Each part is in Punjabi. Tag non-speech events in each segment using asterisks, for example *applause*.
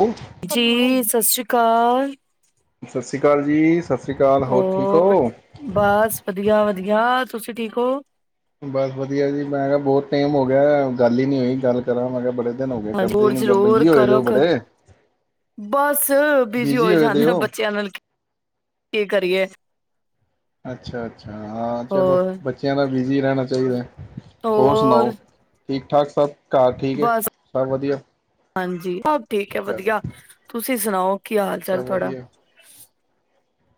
ਸਤਿ ਜੀ ਸਤਿ ਸ੍ਰੀ ਅਕਾਲ ਸਸੀ ਅਕਾਲ ਜੀ ਸਸੀ ਅਕਾਲ ਹੋਰ ਠੀਕ ਹੋ ਬਸ ਵਧੀਆ ਵਧੀਆ ਤੁਸੀਂ ਠੀਕ ਹੋ ਬਸ ਵਧੀਆ ਜੀ ਮੈਂ ਕਿਹਾ ਬਹੁਤ ਟਾਈਮ ਹੋ ਗਿਆ ਗੱਲ ਹੀ ਨੀ ਹੋਈ ਗੱਲ ਕਰਾਂ ਮੈਂ ਕਿਹਾ ਬੜੇ ਦਿਨ ਹੋ ਗਏ ਹ ਕਰਦੇ ਹੀ ਜ਼ੂਰਰ ਨਹੀਂ ਜ਼ਰੂਰ ਬਿਜੀ ਹੋਏ ਦੇ ਕਰੋ ਹੋ ਕਰ ਬੜੇ ਬਸ ਬਿਜ਼ੀ ਹੋ ਬਿਜੀ ਹੋਏ ਦੇ ਜਾਂਦੇ ਆ ਬੱਚਿਆਂ ਨਾਲ ਕੀ ਕਰੀਏ ਅੱਛਾ ਅੱਛਾ ਹਾਂ। ਚਲੋ ਹੋਰ ਬੱਚਿਆਂ ਨਾ ਬਿਜ਼ੀ ਰਹਿਣਾ ਚਾਹੀਦਾ। ਹੋਰ ਸੁਣਾਓ ਠੀਕ? ਠਾਕ ਸਬ ਘਰ ਠੀਕ ਬਸ ਸਭ ਵਧੀਆ? ਹਾਂਜੀ ਸਭ ਠੀਕ ਹੈ ਚਲੋ ਵਧੀਆ ਤੁਸੀਂ ਤੁਸੀਂ ਸੁਣਾਓ। ਕੀ ਹਾਲ ਚਾਲ ਸਭ ਤੁਹਾਡਾ? ਵਧੀਆ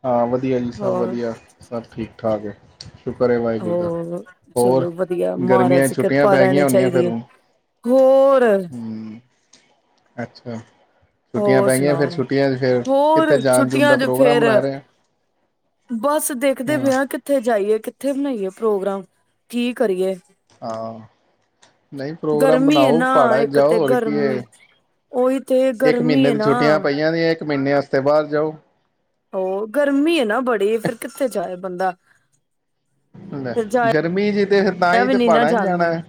ਹਾਂ। ਵਧੀਆ ਜੀ ਸਭ ਹੋਰ ਵਧੀਆ ਸਭ ਠੀਕ। ਠਾਕ ਏ ਸ਼ੁਕਰ ਹੈ। ਵਾਹਿਗੁਰੂ ਦਾ ਹੋਰ ਹੋਰ ਚਲੋ ਵਧੀਆ ਮਹਾਰਾਜ ਗਰਮੀਆਂ ਦੀ ਛੁੱਟੀਆਂ ਕਿਰਪਾ ਪੈ ਗਈਆਂ ਰਹਿਣੀ ਹੋਦੀਆਂ ਚਾਹੀਦੀ ਫਿਰ ਹੈ ਹੁਣ? ਹੋਰ ਹੂਮ ਹਮ ਅੱਛਾ ਛੁੱਟੀਆਂ ਹੋਰ ਪੈ ਗਈਆਂ ਸੁਣਾਓ, ਫਿਰ ਛੁੱਟੀਆਂ 'ਚ ਫਿਰ ਹੋਰ ਕਿੱਥੇ ਜਾਣ ਜੂਣ ਛੁੱਟੀਆਂ ਦਾ ਚ ਪ੍ਰੋਗਰਾਮ ਫੇਰ ਬਣਾ ਰਹੇ ਬਸ ਦੇਖਦੇ ਪਏ ਹਾਂ ਕਿੱਥੇ ਜਾਈਏ ਕਿਥੇ ਬਣਾਈਏ ਪ੍ਰੋਗਰਾਮ ਠੀਕ ਕਰੀਏ ਹਾਂ ਨਹੀਂ ਪ੍ਰੋਗਰਾਮ ਗਰਮੀ ਏ ਬਣਾਓ ਨਾ। ਪਹਾੜਾਂ 'ਚ ਇੱਕ ਜਾਓ ਤੇ ਹੋਰ ਕੀ ਏ ਗਰਮੀ ਉਹੀ ਤੇ ਇੱਕ ਗਰਮੀ ਮਹੀਨੇ ਹੈ ਦੀ ਨਾ ਛੁੱਟੀਆਂ ਪਈਆਂ ਨੇ ਇੱਕ ਮਹੀਨੇ ਵਾਸਤੇ ਬਾਹਰ ਜਾਓ। ਉਹ ਗਰਮੀ ਹੈ ਨਾ। ਬੜੀ ਫਿਰ ਕਿੱਥੇ ਜਾਏ ਬੰਦਾ ਗਰਮੀ ਚ ਤੇ ਫਿਰ ਤਾਂ ਮੈਂ ਹੀ ਵੀ ਤੇ ਨੀ ਨਾ ਪਹਾੜਾਂ 'ਚ ਜਾਣਦੀ, ਜਾਣਾ ਹੈ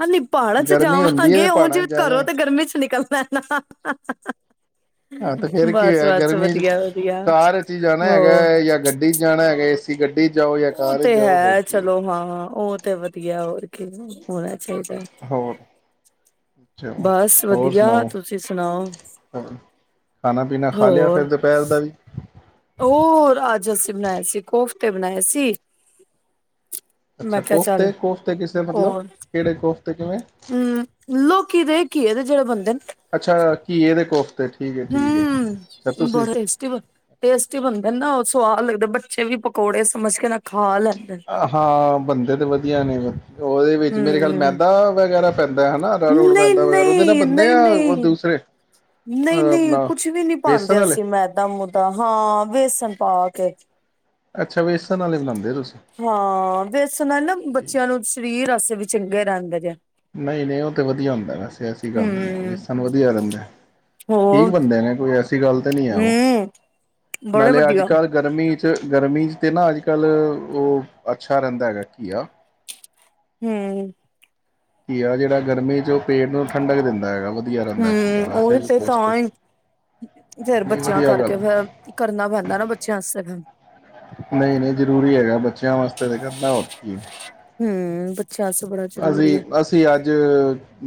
ਹੁਣ ਨੀ ਪਹਾੜਾਂ ਚ ਗਰਮੀ ਹੁੰਦੀ ਹੈ ਤੇ ਜਾਵਾਂਗੇ ਉਹ ਪਹਾੜਾਂ ਜੇ 'ਚ ਘਰੋਂ ਜਾਣਾ ਤੇ ਗਰਮੀ ਚ ਨਿਕਲ ਪੈਣਾ ਹਾਂ। ਤੇ ਫੇਰ ਕੀ ਹੋਇਆ ਗਰਮੀ ਵਧੀਆ ਕਾਰ ਚ ਹੀ ਜਾਣਾ ਹੈਗਾ ਹੋਰ ਹੈ। ਜਾਂ ਗੱਡੀ ਚ ਜਾਣਾ ਹੈਗਾ ਏ *inaudible* ਉਹ ਤੇ ਹੈ ਚਲੋ ਹਾਂ। ਉਹ ਤੇ ਵਧੀਆ ਹੋਰ ਕੀ ਹੋਣਾ ਚਾਹੀਦਾ ਹੋਰ ਅਛਾ ਬਸ ਹੋਰ ਵਧੀਆ ਸੁਣਾਓ ਤੁਸੀਂ ਸੁਣਾਓ ਖਾਣਾ ਪੀਣਾ ਖਾ ਲਿਆ ਫਿਰ ਦੁਪਹਿਰ ਦਾ ਵੀ ਹੋਰ ਅੱਜ ਅਸੀਂ ਬਣਾਏ ਸੀ ਕੋਫਤੇ ਬਣਾਏ ਸੀ। ਅੱਛਾ ਮੈਂ ਕਿਹਾ ਚੱਲ ਕੋਫਤੇ ਕੋਫਤੇ ਕਿਸੇ ਮਤਲਬ ਕਿਹੜੇ ਕੋਫਤੇ? ਤੇ ਕਿਵੇਂ? ਹੂੰ ਲੋਕੀ ਦੇ ਕੀ ਇਹਦੇ ਜਿਹੜੇ ਬੰਦੇ ਨੇ ਅੱਛਾ ਘੀਏ ਦੇ ਕੋਫਤੇ ਠੀਕ ਹੈ ਠੀਕ ਹੈ ਅੱਛਾ ਹੂੰ, ਤੁਸੀਂ ਬੜਾ ਟੇਸਟੀ ਟੇਸਟੀ ਬਣਦੇ ਨਾ ਉਹ ਸਵਾਦ ਦੇ ਬੱਚੇ ਵੀ ਪਕੌੜੇ ਸਮਝ ਕੇ ਨਾ ਖਾ ਲੈ ਹਾਂ ਬਣਦੇ ਤੇ ਵਧੀਆ ਨੇ ਉਹਦੇ ਵਿੱਚ ਮੇਰੇ ਖਿਆਲ ਹਮ ਮੈਦਾ ਵਗੈਰਾ ਪੈਂਦਾ ਹੈ ਨਾ ਅਰਾਰੋਟ ਨਹੀਂ ਮੈਦਾ ਵਗੈਰਾ ਉਹਦੇ ਨਾਲ -ਨਹੀਂ ਬੰਦੇ -ਨਹੀਂ- ਆ ਉਹ ਨਹੀਂ- ਦੂਸਰੇ ਨਹੀਂ- ਅਹ ਨਹੀਂ ਆਪਣਾ ਕੁਛ ਵੀ ਨੀ ਬੇਸਣ ਪਾਂਦੇ ਵਾਲੇ ਅਸੀਂ ਮੈਦਾ ਮੂਦਾ ਹਾਂ ਵੇਸਣ ਪਾ ਕੇ ਅੱਛਾ ਵੇਸਨ ਵਾਲੇ ਬਣਾਦੇ ਤੁਸੀ ਹਾਂ ਵੇਸ ਨਾਲੇ ਨਾ ਬੱਚਿਆਂ ਨੂੰ ਸਰੀਰ ਆਸ ਵੀ ਚੰਗੇ ਰਹਿੰਦੇ ਜੇ ਨਹੀਂ- ਨਹੀਂ ਉਹ ਤਾਂ ਵਧੀਆ ਹੁੰਦਾ ਵੈਸੇ ਐਸੀ ਗੱਲ ਨੀ ਏ ਹਮ ਵੇਸਟ ਵਧੀਆ ਰਹਿੰਦਾ। ਠੀਕ ਹੋਰ ਬਣਦੇ ਨੇ ਕੋਈ ਏਸ ਗੱਲ ਤੇ ਨਹੀਂੀ ਹੈ ਉਹ ਹਮ ਬੜੇ ਨਾਲੇ ਅੱਜ ਵਧੀਆ ਕੱਲ੍ਹ ਗਰਮੀ ਚ ਗਰਮੀ ਚ ਤੇ ਨਾ ਅੱਜ ਕੱਲ੍ਹ ਉਹ ਅੱਛਾ ਰਹਿੰਦਾ ਹੈਗਾ ਕੀਆ ਹੂੰ ਕੀਆ ਜਿਹੜਾ ਗਰਮੀ ਚ ਉਹ ਪੇਟ ਨੂੰ ਠੰਡਕ ਦਿੰਦਾ ਹੈਗਾ ਵਧੀਆ ਰਹਿੰਦਾ ਘੀਆ ਹਮ ਉਹੀ ਵੈਸੇ ਵੀ ਤੇ ਤਾਂ ਪੌਸ਼ਟਿਕ ਹੀ ਫਿਰ ਨਹੀਂ ਬੱਚਿਆਂ ਵਧੀਆ ਗੱਲ ਕਰਕੇ ਫਿਰ ਕਰਨਾ ਪੈਂਦਾ ਨਾ ਬੱਚਿਆਂ ਆਸਤੇ ਫਿਰ ਨਹੀਂ-ਨਹੀਂ ਜ਼ਰੂਰੀ ਹੈਗਾ ਬੱਚਿਆਂ ਵਾਸਤੇ ਤੇ ਕਰਨਾ ਹੋਰ ਕੀ ਏ ਹੂੰ ਬੱਚਿਆਂ ਵਾਸਤੇ ਬੜਾ ਅਸੀਂ ਜ਼ਰੂਰੀ ਹੈ ਅਸੀਂ ਅੱਜ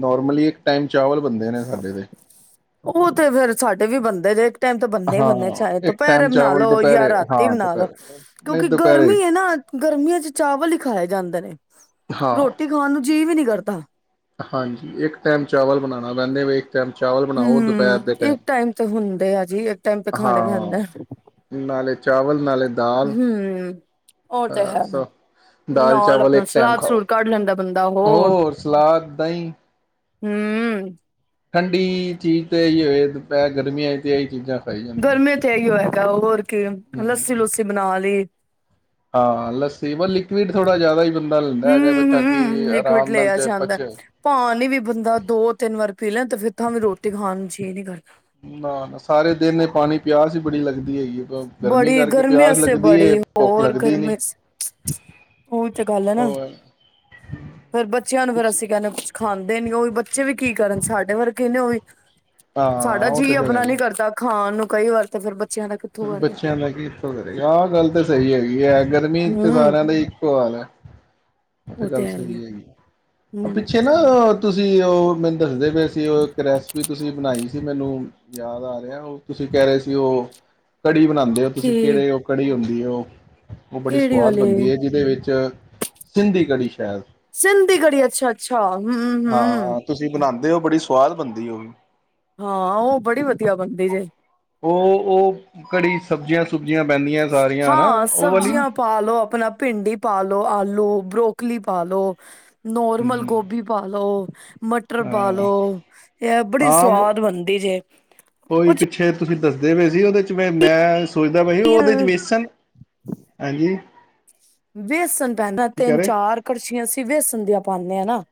ਨੋਰਮਲੀ ਇੱਕ ਟਾਈਮ ਚਾਵਲ ਬਣਦੇ ਨੇ ਸਾਡੇ ਤੇ ਉਹ ਤੇ ਫੇਿਰ ਸਾਡੇ ਵੀ ਬਣਦੇ ਜੇ ਟਾਈਮ ਤਾਂ ਬੰਨੇ ਹਾਂ ਬੰਨੇ ਚਾਹੇ ਤੋਂ ਇੱਕ ਦੋਪਹਿਰੇ ਟਾਈਮ ਬਣਾ ਚਾਵਲ ਲਓ ਯਾ ਦੁਪਹਿਰੇ ਰਾਤੀ ਹਾਂ ਬਣਾ ਲਓ ਦੁਪਹਿਰੇ ਨਹੀਂ ਕਿਉਂਕਿ ਦੁਪਹਿਰੇ ਗਰਮੀ ਏ ਨਾ ਗਰਮੀਆਂ ਚ ਚਾਵਲ ਹੀ ਖਾਏ ਜਾਂਦੇ ਨੇ ਹਾਂ ਰੋਟੀ ਖਾਣ ਨੂੰ ਜੀ ਵੀ ਨੀ ਕਰਤਾ ਹਾਂਜੀ ਇੱਕ ਟਾਈਮ ਚਾਵਲ ਬਣਾਨਾ ਵੈਨੇ ਵੀ ਟਾਈਮ ਚਾਵਲ ਬਣਾਓ ਦੁਪਹਿਰ ਹੂੰ ਦੇ ਇੱਕ ਟਾਈਮ ਤੇ ਹੁੰਦੇ ਆ ਜੀ ਇੱਕ ਟਾਈਮ ਤੇ ਖਾਣੇ ਪੈਂਦਾ ਹਾਂ ਹੂੰ ਨਾਲੇ ਹੁੰ- ਹਾਂ ਸੋ ਦਾਲ-ਚਾਵਲ ਆਪਣਾ ਇੱਕ ਟਾਈਮ ਸਲਾਦ ਖਾਓ ਸਲੂਦ ਕੱਢ ਲੈਂਦਾ ਬੰਦਾ ਹੋਰ ਸਲਾਦ ਦਹੀਂ ਹੂੰ। ਠੰਡੀ ਚੀਜ਼ ਤੇ ਇਹੀ ਹੋਏ, ਦੁਪਹਿਰ ਗਰਮੀਆਂ ਤੇ ਇਹੀ ਚੀਜ਼ਾਂ ਖਾਈ ਜਾਂਦੀਆਂ। ਗਰਮੀਆਂ ਚ ਇਉਂ ਹੈ। *unintelligible* ਹੂੰ, ਹਾਂ ਲੱਸੀ ਵੀ ਲਿਕਵਿਡ ਥੋੜੀ ਜ਼ਿਆਦਾ ਹੀ ਬੰਦਾ ਲੈਂਦਾ ਹੈਗਾ ਹੂੰ, ਤਾਂ ਕਿ ਹੂੰ, ਲਿਕਵਿਡ ਆਰਾਮ ਨਾਲ ਲਿਆ ਚ ਜਾਂਦਾ, ਪਚੇ ਪਾਣੀ ਵੀ ਬੰਦਾ ਦੋ ਤਿੰਨ ਵਾਰ ਪੀ ਲੈ ਤੇ ਫਿਰ ਤਾਂ ਵੀ ਰੋਟੀ ਖਾਣ ਇਹ ਨਹੀਂ ਕਰਦਾ। ਨਾ ਨਾ ਸਾਰੇ ਦਿਨ ਪਾਣੀ ਪਿਆਸ ਹੀ ਬੜੀ ਲੱਗਦੀ। ਹੈਗੀ ਹੈ। ਬੜੀ ਕਰਕੇ ਗਰਮੀ ਪਿਆਸ ਸੇ ਲੱਗਦੀ ਹੈ ਬੜੀ ਭੁੱਖ ਹੋਰ ਲੱਗਦੀ ਨੀ ਗਰਮੀ ਸੀ, ਉਹੀ ਗੱਲ ਹੈ ਨਾ ਹੋਰ ਫੇਰ ਬੱਚਿਆਂ ਨੂੰ ਫੇਰ ਅਸੀਂ ਕਹਿੰਦੇ ਕੁਛ ਖਾਂਦੇ ਨੀ ਉਹ ਵੀ ਬੱਚੇ ਵੀ ਕੀ ਕਰਨ ਸਾਡੇ ਵਰਗੇ ਨੇ ਉਹ ਵੀ। ਸਾਡਾ ਹਾਂ ਉਹ ਤੇ ਜੀਅ ਫੇਰ ਹੈ ਆਪਣਾ ਹੀ ਨੀ ਕਰਦਾ ਖਾਣ ਨੂੰ ਕਈ ਵਾਰ ਤਾਂ ਫਿਰ ਬੱਚਿਆਂ ਦਾ ਕਿੱਥੋਂ ਕਰਦਾ ਬੱਚਿਆਂ ਦਾ ਕੀ ਇੱਥੋਂ ਕਰੇਗਾ ਆਹ ਗੱਲ ਤਾਂ ਸਹੀ ਹੈਗੀ ਹੈ। ਗਰਮੀ ਚ ਹਮ ਸਾਰਿਆਂ ਦਾ ਇੱਕੋ ਹਾਲ ਹੈ। *unintelligible* ਇਹ ਤੇ ਉਹ ਗੱਲ ਹੈ ਹੀ ਆ ਸਹੀ ਹੈਗੀ। ਹਮ ਪਿੱਛੇ ਨਾ ਤੁਸੀਂ ਉਹ ਮੈਨੂੰ ਦੱਸਦੇ ਪਏ ਸੀ, ਉਹ ਇੱਕ ਰੈਸਪੀ ਤੁਸੀਂ ਬਣਾਈ ਸੀ, ਮੈਨੂੰ ਯਾਦ ਆ ਰਿਹਾ, ਉਹ ਤੁਸੀਂ ਕਹਿ ਰਹੇ ਸੀ ਉਹ ਕੜੀ ਬਣਾਉਂਦੇ ਹੋ, ਤੁਸੀਂ ਕੀ ਕਿਹੜੀ ਉਹ ਕੜੀ ਹੁੰਦੀ। *unintelligible* ਉਹ ਬੜੀ ਕਿਹੜੀ ਸਵਾਦ ਬਣਦੀ ਵਾਲੇ ਹੈ, ਜਿਹਦੇ ਵਿੱਚ ਸਿੰਧੀ ਕੜੀ ਸ਼ਾਇਦ ਸਿੰਧੀ ਕੜੀ ਅੱਛਾ, ਅੱਛਾ। ਹੂੰ, ਹੂੰ। ਉਹ ਬੜੀ ਸਵਾਦ ਬਣਦੀ, ਉਹ ਹਾਂ, ਉਹ ਬੜੀ ਵਧੀਆ ਬਣਦੀ ਜੇ। ਉਹ, ਉਹ ਕੜੀ ਸਬਜ਼ੀਆਂ ਸਬਜ਼ੀਆਂ ਪੈਂਦੀਆਂ ਸਾਰੀਆਂ ਹਨਾ, ਹਾਂ ਉਹ ਵਾਲੀ ਸਬਜ਼ੀਆਂ ਪਾ ਲੋ ਆਪਣਾ ਭਿੰਡੀ ਪਾ ਲੋੋ, ਆਲੂ, ਬਰੋਕਲੀ ਪਾ ਲੋ ਨੋਰਮਲ ਹਮ ਗੋਭੀ ਪਾ ਲਉ। ਮਟਰ ਹਾਂ ਪਾਾਲੋ, ਇਹ ਬੜੀ ਆਮ ਸਵਾਦ ਬਣਦੀ ਜੇ ਉਹੀ ਕੁਛ ਪਿੱਛੇ ਤੁਸੀਂ ਦੱਸਦੇ ਹੋਏ ਸੀ, ਉਹਦੇ ਚ ਮੈਂ ਸੋਚਦਾ ਬਾਈ ਉਹ ਉਹਦੇ ਚ ਵੇਸਣ ਹਾਂਜੀ। ਵੇਸਣ ਪੈਂਦਾ ਕਹਿ ਤਿੰਨ ਰਹੇ ਚਾਰ ਕੜਛੀਆਂ ਅਸੀਂ ਵੇਸਣ ਦੀਆਂ ਪਾਉਂਦੇ ਹਾਂ ਨਾ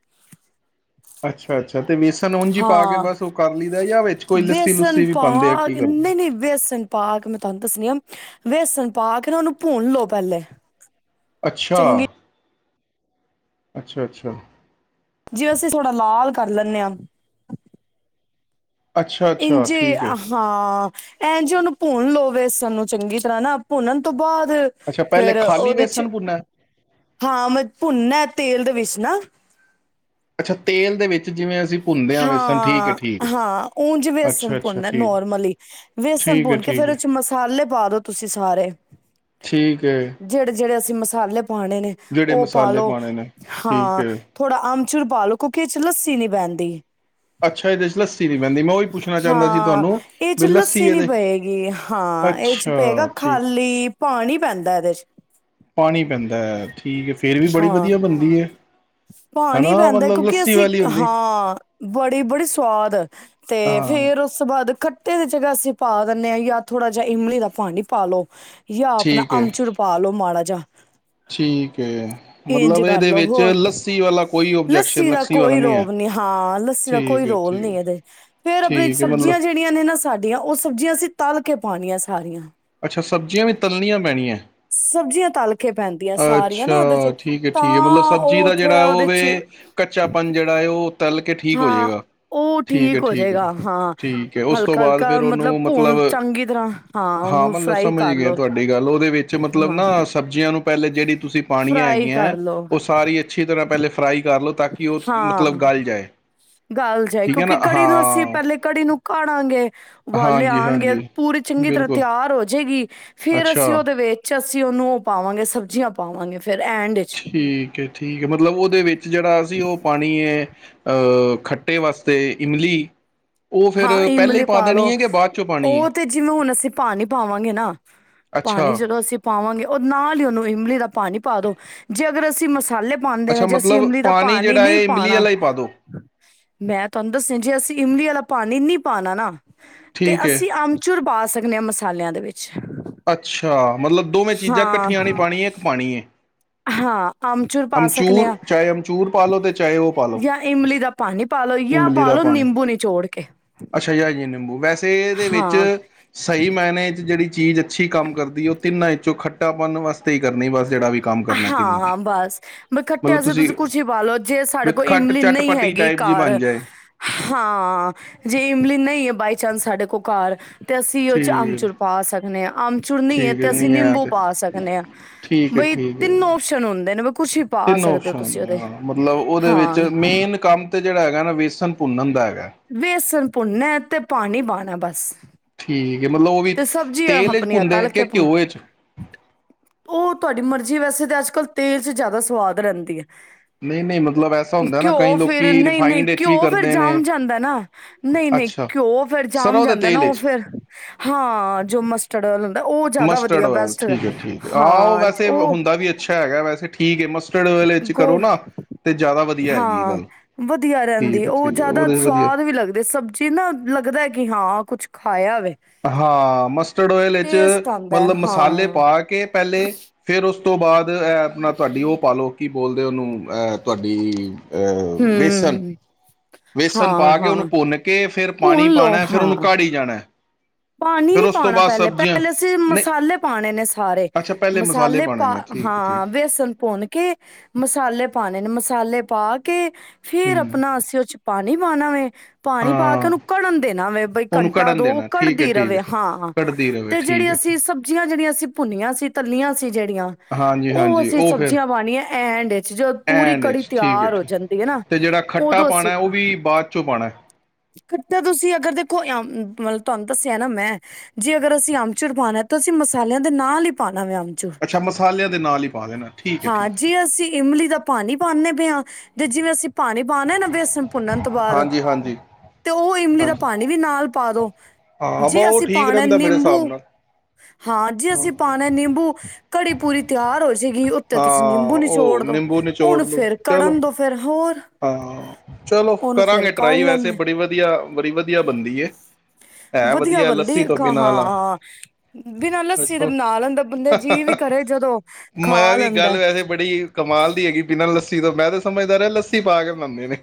ਅੱਛਾ ਅੱਛਾ ਹਾਂ ਜਾਂ ਵਿੱਚ ਕੋਈ ਵੇਸਨ ਲੱਸੀ-ਲੁੱਸੀ ਵੀ ਪਾ ਪਾਂਦੇ ਆ ਕੀ ਕੇ ਕਰਦੇ? ਨਹੀਂ ਨਹੀਂ ਵੇਸਨ ਪਾ ਕੇ ਮੈਂ ਤੁਹਾਨੂੰ ਦੱਸਣੀ ਆ ਵੇਸਣ ਪਾ ਕੇ ਨਾ ਉਹਨੂੰ ਭੂਨ ਲੋਓ ਪਹਿਲੇ ਅੱਛਾ ਚੰਗੀ ਅੱਛਾ ਅੱਛਾ ਜਿਵੇਂ ਅਸੀਂ ਥੋੜਾ ਲਾਲ ਕਰ ਲੈਨੇ ਆ ਅੱਛਾ-ਅੱਛਾ ਇੰਝੇ ਠੀਕ ਏ। ਹਾਂ ਇੰਜ ਉਹਨੂੰ ਪੁੰਨ ਲਓ ਬੇਸਨ ਨੂੰ ਚੰਗੀ ਤਰ੍ਹਾਂ ਪੁਨਨ ਤੋਂ ਬਾਅਦ ਅੱਛਾ ਪਹਿਲੇ ਫੇਰ ਖਾਲੀ ਉਹਦੇ ਚ, ਵੇਸਣ ਭੁੰਨਨਾ? ਹਾਂ ਮੈਂ ਭੁੰਨਆ ਤੇਲ ਦੇ ਵਿੱਚ ਨਾ ਅੱਛਾ ਤੇਲ ਦੇ ਵਿੱਚ ਜਿਵੇਂ ਅਸੀਂ ਭੁੰਨਦੇ ਆ ਵੇਸਣ ਠੀਕ ਹਾਂ, ਏ-ਠੀਕ ਏ, ਹਾਂ ਉਝ ਵੇਸਣ ਅੱਛਾ-ਅੱਛਾ ਭੁੰਨਨਾ ਠੀਕ ਏ। ਨੋਰਮਲੀ ਵੇਸਣ ਠੀਕ ਭੁੰਨ ਕੇ ਏ-ਠੀਕ ਫੇਰ ਉਹ ਏ, ਚ ਮਸਾਲੇ ਪਾਦੋ ਤੁਸੀਂ ਸਾਰੇ, ਠੀਕ ਏ ਜਿਹੜੇ-ਜਿਹੜੇ ਮਸਾਲੇ ਪਾਣੇ ਨੇ ਜਿਹੜੇ ਉਹ ਮਸਾਲੇ ਪਾਾਲੋ ਪਾਣੇ ਨੇ। ਠੀਕ ਹਾਂ ਏ, ਥੋੜਾ ਅੰਬ *unintelligible* ਕਿਉਂਕਿ ਇਸ ਚ ਲੱਸੀ ਨੀ ਪੈਂ *unintelligible* ਅੱਛਾ ਇਹਦੇ ਚ ਲੱਸੀ ਨੀ ਪੈਂਦੀ, ਮੈਂ ਉਹੀ ਪੁੱਛਣਾ ਚਾਹੁੰਦਾ ਸੀ ਹਾਂ ਤੁਹਾਨੂੰ ਇਹ ਚ ਵੀ ਲੱਸੀ ਨੀ ਇਹਦੇ। ਪਏਗੀ ਹਾਂ ਇਹ ਚ ਪਏਗਾ ਅੱਛਾ, ਠੀਕ ਹੈ। ਖਾਲੀ ਪਾਣੀ ਪੈਂਦਾ ਇਹਦੇ ਚ ਪਾਣੀ ਪੈਂਦਾ ਐ, ਠੀਕ ਏ, ਫੇਰ ਵੀ ਬੜੀ ਹਾਂ ਵਧੀਆ ਬਨਦੀ ਹੈ। ਪਾਣੀ ਪੈਂਦਾ ਕਿਉਂਕਿ ਅਸੀਂ, ਹਾਂ ਬੜੀ-ਬੜੀ ਸਵਾਦ ਤੇ ਹਾਂ ਫੇਰ ਉਸ ਤੋਂ ਬਾਅਦ ਖੱਟੇ ਦੇ ਚ ਅਸੀਂ ਪਾ ਦਿੰਦੇ ਹਾਂ ਜਾਂ ਥੋੜ੍ਹਾ ਜਿਹਾ ਇਮਲੀ ਦਾ ਪਾਨੀ ਪਾ ਲਉ। ਯਾਂ ਆਪਣਾ ਠੀਕ ਹੈ ਅਮਚੁਰ ਪਾ ਲੋ ਮਾੜਾ ਜਾ ਠੀਕ ਏ, ਇੰਝ ਮਤਲਬ ਕਰ ਇਹਦੇ ਲੋ ਵਿੱਚ ਹੋਰ ਲੱਸ ਸੀ ਵਾਲਾ ਕੋਈ ਓਬਜੈਕਸ਼ਨ ਲੱਸੀ ਦਾ ਵਾਲਾ ਕੋਈ ਨਹੀਂ ਹੈ ਰੋਲ ਨੀ, ਹਾਂ ਲੱਸੀ ਦਾ ਕੋਈ ਠੀਕ ਹੈ ਰੋਲ ਠੀਕ ਨੀ ਹੈ ਇਹਦੇ ਫੇਰ ਆਪਣੀ ਠੀਕ ਹੈ ਮਤਲਬ ਸਬਜ਼ੀਆਂ ਜਿਹੜੀਆਂ ਨੇ ਨਾ ਸਾਡੀਆਂ ਉਹ ਸਬਜ਼ੀਆਂ ਅਸੀਂ ਤਲ ਕੇ ਪਾਉਣੀਆਂ ਸਾਰੀਆਂ। ਅੱਛਾ ਸਬਜ਼ੀਆਂ ਵੀ ਤਲਣੀਆਂ ਪੈਣੀਆਂ। ਸਬਜ਼ੀਆਂ ਤਲ ਕੇ ਪੈਂਦੀਆਂ ਸਾਰੀਆਂ ਅੱਛਾ ਨਾ ਉਹਦੇ ਚ ਠੀਕ ਹੈ, ਠੀਕ ਹੈ, ਮਤਲਬ ਤਾਂ ਸਬਜ਼ੀ ਉਹ ਦਾ ਜਿਹੜਾ ਥੋੜਾ ਓ ਉਹਦੇ ਵੇ ਕੱਚਾਪਨ ਜਿਹੜਾ ਹੈ ਉਹ ਤਲ ਕੇ ਠੀਕ ਹੋ ਹਾਂ ਜਾਏਗਾ ਉਹ ਠੀਕ ਹੋ ਜਾਏਗਾ, ਹਾਂ ਠੀਕ ਹੈ ਉਸ ਤੋਂ ਬਾਅਦ ਹਲਕਾ-ਹਲਕਾ ਫਿਰ ਮਤਲਬ ਉਹਨੂੰ ਭੂਣ ਚੰਗੀ ਤਰ੍ਹਾਂ ਹਾਂ ਉਹਨੂੰ ਫਰਾਈ ਕਰ ਲੋ। ਕਿ ਮਤਲਬ ਹਾਂ, ਨਾ ਸਬਜ਼ੀਆਂ ਨੂੰ ਪਹਿਲੇ ਜਿਹੜੀ ਤੁਸੀਂ ਪਾਣੀਆਂ ਫਰਾਈ ਹੈਗੀਆਂ ਐ। ਕਰ ਲੋ ਉਹ ਸਾਰੀ ਅੱਛੀ ਤਰ੍ਹਾਂ ਪਹਿਲੇ ਫਰਾਈ ਕਰ ਲਓ ਤਾਂ ਕਿ ਉਹ ਮਤਲਬ ਗਲ ਜਾਏ। ਗੱਲ ਜਾਏ ਠੀਕ ਹੈ ਨਾ ਕਿਉਂਕਿ ਕੜੀ ਨੂੰ ਅਸੀਂ ਹਾਂ ਪਹਿਲੇ ਕੜੀ ਨੂੰ ਕਾੜਾਂਗੇ ਉਬਾਲੇ ਹਾਂਜੀ ਆਨਗੇ ਹਾਂਜੀ ਪੂਰੀ ਚੰਗੀ ਤਰ੍ਹਾਂ ਬਿਲਕੁਲ ਤਿਆਰ ਹੋ ਜਏਗੀ ਫੇਰ ਅੱਛਾ ਅਸੀਂ ਉਹਦੇ ਵਿੱਚ ਤੇ ਅਸੀਂ ਉਹਨੂੰ ਉਹ ਪਾਵਾਂਗੇ ਸਬਜ਼ੀਆਂ ਪਾਵਾਂਗੇ। ਫੇਰ ਐਂਡ ਚ ਠੀਕ ਐ, ਠੀਕ ਕਿ ਮਤਲਬ ਉਹਦੇ ਵਿੱਚ ਜਿਹੜਾ ਅਸੀਂ ਉਹ ਪਾਣੀ ਏ ਅਹ ਖੱਟੇ ਵਾਸਤੇ ਇਮਲੀ ਉਹ ਫਿਰ ਹਾਂ ਪਹਿਲੇ ਹੀ ਇਮਲੀ ਪਾ ਦੇਣੀ ਲਓ ਹੈ ਕਿ ਬਾਅਦ ਚੋਂ ਪਾਣੀ ਹੈ ਉਹ ਤੇ ਜਿਵੇਂ ਹੁਣ ਅਸੀਂ ਪਾਣੀ ਪਾਵਾਂਗੇ ਨਾ ਅੱਛਾ ਪਾਣੀ ਜਦੋਂ ਅਸੀਂ ਪਾਵਾਂਗੇ ਉਹ ਨਾਲ ਹੀ ਉਹਨੂੰ ਇਮਲੀ ਦਾ ਪਾਣੀ ਪਾ ਦੋ ਜੇ ਅਗਰ ਅਸੀਂ ਮਸ ਮਸਾਲੇ ਪਾਉਂਦੇ ਅੱਛਾ ਵਿੱਚ ਜੇ ਅਸੀਂ ਮਤਲਬ ਇਮਲੀ ਦਾ ਪਾਣੀ ਜਿਹੜਾ ਨਹੀਂ ਹੈ ਇਮਲੀ ਪਾਉਣਾ ਵਾਲਾ ਹੀ ਪਾ ਦੋ ਮੈਂ ਤੁਹਾਨੂੰ ਦੱਸਿਆ ਜੇ ਅਸੀਂ ਇਮਲੀ ਵਾਲਾ ਪਾਣੀ ਨਹੀਂ ਪਾਉਣਾ ਨਾ ਤੇ ਠੀਕ ਹੈ ਅਸੀਂ ਅਮਚੂਰ ਪਾ ਸਕਦੇ ਹਾਂ ਮਸਾਲਿਆਂ ਦੇ ਵਿੱਚ ਅੱਛਾ ਮਤਲਬ ਦੋਵੇਂ ਚੀਜ਼ਾਂ ਹਾਂ ਇਕੱਠੀਆਂ ਨਹੀਂ ਪਾਨੀਆ ਹੈ ਇੱਕ ਪਾਣੀ ਹੈ ਹਾਂ ਅਮਚੂਰ ਪਾ ਸਕਦੇ ਅਮਚੂਰ ਹਾਂ ਚਾਹੇ ਅਮਚੂਰ ਪਾ ਲਓ ਤੇ ਚਾਹੇ ਉਹ ਪਾ ਲਓ ਜਾਂ ਇਮਲੀ ਦਾ ਪਾਣੀ ਪਾ ਲਓ ਜਾਂ ਇਮਲੀ ਪਾ ਦਾ ਲਓ ਪਾਣੀ ਨਿੰਬੂ ਨੀਚੋੜ ਕੇ ਤੇ ਇਦੇ ਵਿੱਚ ਹਾਂ ਸਹੀ ਮਾਇਨੇ ਚ ਜਿਹੜੀ ਚੀਜ਼ ਅੱਛੀ ਕੰਮ ਕਰਦੀ ਉਹ ਤਿੰਨਾਂ ਇੰਚੋਂ ਖੱਟਾਪਨ ਵਾਸਤੇ ਹੀ ਕਰਨੀ ਬਸ ਜਿਹੜਾ ਵੀ ਕੰਮ ਕਰਨਾ ਤਿੰਨਾਂ ਚ ਹਾਂ ਬਸ ਬ ਖੱਟਿਆ ਸੀ ਤੁਸੀਂ ਕੁਛ ਹੀ ਪਾਲੋ ਜੇ ਸਾਡੇ ਵਿਦ ਕੋਲ ਖੱਟ ਇਮਲੀ ਨਹੀਂ ਚਟਪਟੀ ਹੈਗੀ ਟਾਈਪ ਜੀ ਬਣ ਘਰ ਜਾਏ ਹਾਂ ਜੇ ਇਮਲੀ ਨਹੀਂ ਹੈ ਬਾਈ ਚਾਂਸ ਸਾਡ ਸਾਡੇ ਕੋਲ ਘਰ ਤੇ ਅਸੀਂ ਉਹ 'ਚ ਠੀਕ ਅਮਚੂਰ ਪਾ ਸਕਦੇ ਹਾਂ ਅਮਚੂਰ ਨਹੀਂ ਹੈ ਠੀਕ ਤੇ ਅਸੀਂ ਹੈ ਨਿੰਬੂ ਤੇ ਪਾ ਸਕਨੇ ਹਾਂ ਠੀਕ ਹੈ ਬਈ ਠੀਕ ਹੈ ਤਿੰਨ ਓਪਸ਼ਨ ਹੁੰਦੇ ਨੇ ਵੀ ਕੁਛ ਵੀ ਪਾ ਤਿੰਨ ਸਕਦੇ ਹੋ ਓਪਸ਼ਨ ਤੁਸੀਂ ਉਹਦੇ - ਮਤਲਬ ਉਹਦੇ ਹਾਂ ਵਿੱਚ ਮੇਨ ਕੰਮ ਤੇ ਜਿਹੜਾ ਹੈਗਾ ਨਾ ਵੇਸਣ ਭੁੰਨਣ ਦਾ ਹੈਗਾ ਵੇਸਨ ਭੁਣਨਾ ਤੇ ਪਾਣੀ ਪਾਉਣਾ ਬਸ ਠੀਕ ਮਤਲਬ ਉਹ ਵੀ ਤੇ ਸਬਜ਼ੀਆਂ ਤੇਲ ਚ ਆਪਣੀਆਂ ਭੁੰਦੇ ਤਲ ਕਿ ਕੇ ਪਾ ਘਿਓ ਵਿਚ ਉਹ ਤੁਹਾਡੀ ਮਰਜ਼ੀ ਵੈਸੇ ਤਾਂ ਅੱਜ ਕੱਲ੍ਹ ਤੇਲ ਚਚ ਜ਼ਿਆਦਾ ਸਵਾਦ ਰਹਿੰਦੀ ਹੈ ਨਹੀਂ ਨਹੀਂ ਮਤਲਬ ਐਸਾ ਹੁੰਦਾ ਨਾ ਕਈ ਘਿਓ ਫਿਰ ਲੋਕੀ ਨਹੀਂ ਨਹੀਂ ਰਿਫਾਈਂਡ ਵਿੱਚ ਵੀ ਘਿਓ ਫਿਰ ਕਰਦੇ ਨੇ ਜੰਮ ਜਾਂਦਾ ਨਾ ਨਹੀਂ ਨਹੀਂ ਅੱਛਾ ਘਿਓ ਫੇਰ ਜਮ ਸਰ੍ਹੋਂ ਦੇ ਜਾਂਦਾ ਨਾ ਤੇਲ ਉਹ ਵਿੱਚ ਫੇਰ ਹਾਂ, ਜੋ ਮਸਟਡ ਉਹ ਜ਼ਿਆਦਾ ਮਸਟਰਡ ਵਧੀਆ ਓਇਲ ਬੈਸਟ ਰਿ ਠੀਕ ਹੈ ਠੀਕ ਹੈ ਉਹ ਹਾਂ। ਵੈਸੇ *inaudible* ਉਹ ਹੁੰਦਾ ਵੀ ਅੱਛਾ ਹੈਗਾ ਵੈਸੇ ਠੀਕ ਹੈ ਮਸਟਰਡ ਓਇਲ ਵਿੱਚ ਕਰੋ ਗੋ ਨਾ ਤੇ ਜ਼ਿਆਦਾ ਵਧੀਆ ਹੈਗੀ ਇਹ ਹਾਂ ਗੱਲ ਵਧੀਆ ਰਹਿੰਦੀ, ਠੀਕ ਹੈ ਉਹ ਠੀਕ ਹੈ ਜ਼ਿਆਦਾ ਉਹਦੇ ਵਧੀਆ ਸਵਾਦ ਵੀ ਲੱਗਦੇ, ਸਬਜ਼ੀ ਨਾ ਲੱਗਦਾ। ਕਿ ਹਾਂ ਕੁਛ, ਖਾਇਆ ਵਵੇ ਹਾਂ, ਮਸਟਰਡ ਓਇਲ ਵਿੱਚ ਆਉਂਦਾ ਹੈ ਮਤਲਬ ਮਸਾਲੇ ਹਾਂ ਪਾ ਕੇ ਪਹਿਲੇ, ਫਿਰ ਉਸ ਤੋਂ ਬਾਅਦ ਆ ਆਪਣਾ ਤੁਹਾਡੀ, ਉਹ ਪਾਲੋ ਕੀ ਬੋਲਦੇ, ਉਹਨੂੰ ਇਹ ਤੁਹਾਡੀ ਇਹ, ਵੇਸਨ ਹੂੰ ਵੇਸਣ ਹਾਂ ਪਾ ਕੇ, ਹਾਂ ਉਹਨੂੰ ਭੁੰਨ ਕੇ ਪਾਣੀ ਭੁੰਨ ਲਓ ਪਾਉਣਾ, ਫਿਰ ਹਾਂ ਉਹਨੂੰ ਕਾੜੀ ਜਾਣਾ। ਪਾਣੀ ਫਿਰ ਨੀ ਉਸ ਤੋਂ ਪਾਉਣਾ, ਬਾਅਦ ਪਹਿਲੇ ਸਬਜ਼ੀਆਂ ਪਹਿਲੇ ਅਸੀਂ ਨਹੀਂ ਮਸਾਲੇ ਪਾਉਣੇ ਨੇ ਸਾਰੇ ਅੱਛਾ ਪਹਿਲੇ ਮਸਾਲੇ ਪਾਉਣੇ ਪਾ ਨੇ ਠੀਕ ਹੈ ਠੀਕ ਹਾਂ, ਬੇਸਣ ਭੁੰਨ ਕੇ ਮਸਾਲੇ ਪਾਣੇ ਨੇ ਮਸਾਲੇ ਪਾ ਕੇ ਫੇਰ ਹੂੰ ਆਪਣਾ, ਅਸੀਂ ਉਹ ਚ ਪਾਣੀ ਪਾਣਾ ਵੇ ਪਾਣੀ ਪਾ ਕੇ, ਹਾਂ ਉਹਨੂੰ ਕੜਨ ਦੇਣਾ ਵੇ, ਉਹਨੂੰ ਘੰਟਾ, ਕੱਢਣ ਦੋ ਦੇਣਾ ਠੀਕ ਹੈ ਕੜਦੀ ਠੀਕ ਰਵੇ ਹੈ ਹਾਂ। ਕੱਢਦੀ ਰਹੇ ਤੇ ਠੀਕ ਜਿਹੜੀ ਹੈ ਅਸੀਂ ਠੀਕ ਸਬਜ਼ੀਆਂ ਜਿਹੜੀਆਂ ਅਸੀਂ ਭੁੰਨੀਆਂ ਸੀ ਤੱਲੀਆਂ ਸੀ ਜਿਹੜੀਆਂ, ਹਾਂਜੀ ਉਹ ਹਾਂਜੀ ਅਸੀਂ ਫਿਰ ਸਬਜ਼ੀਆਂ ਪਾਣੀਏ। ਐਂਡ ਜਦ, ਪੂਰੀ ਐਂਡ ਕੜੀ ਵਿੱਚ ਠੀਕ ਹੈ ਤਿਆਰ ਹੋ ਠੀਕ ਜਾਂਦੀ ਹੈ। ਨਾ ਤੇ ਜਿਹੜਾ ਖੱਟਾ ਉਦੋਂ ਅਸੀਂ ਪਾਉਣਾ ਉਹ ਨਾ, ਵੀ ਬਾਅਦ ਚੋਂ ਪਾਉਣਾ ਖੱਟਾ ਤੁਸੀਂ ਅਗਰ ਦੇਖੋ *unintelligible* ਤੁਹਾਨੂੰ ਦੱਸਿਆ ਨਾ ਮੈਂ, ਜੇ ਅਗਰ ਅਸੀਂ ਅੰਬਚੂਰ ਪਾਉਣਾ ਤਾਂ, ਅਸੀਂ ਮਸਾਲਿਆਂ ਦੇ ਨਾਲ ਹੀ ਪਾਣਾ। ਅਮਚੂਰ ਅੱਛਾ ਮਸਾਲਿਆਂ ਦੇ ਨਾਲ ਹੀ ਪਾ ਦੇਣਾ ਠੀਕ ਹੈ ਹਾਂ, ਠੀਕ ਹੈ ਜੇ ਅਸੀਂ ਇਮਲੀ ਦਾ ਪਾਣੀ ਪਾਉਨੇ ਦੇ ਆ, ਤੇ ਜਿਵੇਂ ਅਸੀਂ ਪਾਣੀ ਪਾਣਾ ਨਾ, ਬੇਸਣ ਭੁੰਨਣ ਤੋਂ ਬਾਅਦ ਹਾਂਜੀ ਹਾਂਜੀ ਤੇਂ ਉਹ ਇਮਲੀ ਦਾ ਹਾਂਜੀ ਪਾਣੀ ਵੀ ਨਾਲ ਪਾ ਦੋ। ਹਾਂ ਬ ਜੀ, ਉਹ ਅਸੀਂ ਠੀਕ ਪਾਉਂਣਾ ਰਹਿੰਦਾ ਮੇਰੇ ਹਿਸਾਬ ਨਿੰਬੂ, ਨਾਲ ਹਾਂ ਜੀ ਅਸੀਂ ਪਾਉਂਣਾ ਨਿੰਬੂ ਕੜੀ ਪੂਰੀ ਤਿਆਰ ਹੋ ਜੇ ਗੀ, ਉੱਤੇ ਤੁਸੀਂ ਨਿੰਬੂ ਹਾਂ ਨਿਚੋੜ ਉਹ ਦੋ, ਨਿੰਬੂ ਹੁਣ ਨਿਚੋੜ ਲਓ ਫੇਰ ਚਲੋ ਕੜਨ ਦੋ ਫਿਰ ਹੋਰ। ਹਾਂ, ਚਲੋ ਉਹਨੂੰ ਫੇਰ ਕਰਾਂਗੇ ਕੱਢ ਟਰਾਈ ਵੈਸੇ ਲੈਂਦੇ ਬੜੀ ਵਧੀਆ ਅ, ਬਣੀ ਵਧੀਆ ਬਣਦੀ ਏ। ਵਧੀਆ ਬੰਦੀ ਹਾਂ ਲਾ ਹਾਂ। ਬਿਨਾਂ ਲੱਸੀ ਤੇ ਵੇਖੋ ਬਣਾ ਲੈਂਦਾ। ਬੰਦੇ ਜੀਅ ਵੀ ਕਰੇ ਜਦੋਂ ਖਾ ਮੈਂ ਵੀ ਲੈਂਦਾ। ਗੱਲ ਕਿਦੋਂ, ਮੈਂ ਤਾਂ ਸਮਝਦਾ ਲੱਸ ਪਾਕੇ ਬਣਾਉਂਦੇ ਨੇ।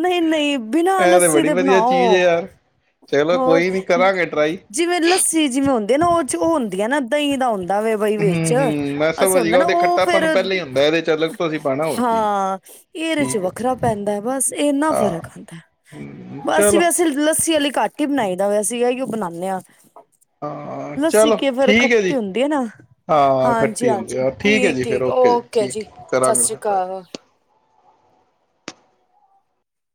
ਨਹੀਂ ਨਹੀਂ, ਬਿਨਾਂ ਇਹ ਲੱਸੀ ਬੜੀ ਤੇ ਵਧੀਆ ਚੀਜ਼ ਬਣਾਓ। ਹੈ ਯਾਰ ਚਲੋ ਹੋਰ ਕੋਈ ਨੀ ਕਰਾਂਗੇ ਟਰਾਈ ਜਿਵੇਂ ਲੱਸੀ ਜਿਵੇਂ ਹੁੰਦੀ ਨਾ ਉਹ ਚ ਉਹ ਹੁੰਦੀ ਹੈ ਨਾ ਦਹੀਂ ਦਾ ਹੁੰਦਾ। ਬਈ ਹੂੰ ਵਿੱਚ ਹੂੰ ਮੈਂ ਅਸ ਸਮਝ ਹੁੰਦਾ ਗਿਆ ਨਾ ਉਹਦੇ ਉਹ ਫੇਰ ਖੱਟਾਪਨ ਪਹਿਲਾਂ ਹੀ ਹੁੰਦਾ ਇਹਦੇ ਚ ਅਲੱਗ ਤੋਂ ਅਸੀਂ ਪਾਉਣਾ ਹੋਰ ਕੀ ਹਾਂ ਇਹਦੇ ਚ ਠੀਕ ਹੈ ਵੱਖਰਾ ਪੈਂਦਾ ਬਸ ਇੰਨਾ ਫਰਕ ਹੁੰਦਾ। ਹਾਂ ਬਸ ਚਲੋ ਵੀ ਅਸੀਂ ਲੱਸੀ ਵਾਲੀ ਘੱਟ ਹੀ ਬਣਾਈ ਜਦਾਂ ਅਸੀਂ ਇਹੀ ਬਣਾਉਂਦੇ ਹੀ ਹਾਂ। ਹਾਂ। ਲੱਸੀ ਚਲੋ ਕੇ ਫੇਰ ਠੀਕ ਹੈ ਜੀ ਖੱਟੀ ਹੁੰਦੀ ਨਾ ਹਾਂ ਹਾਂਜੀ ਇਕੱਟੀ ਹੁੰਦੀ ਹਾਂਜੀ ਆ ਠੀਕ ਹੈ। ਜੀ ਫਿਰ ਓਕੇ ਜੀ ਠੀਕ ਸਤਿ ਕਰਾਂਗੇ ਸ੍ਰੀ ਫਿਰ ਟਰਾਈ। ਅਕਾਲ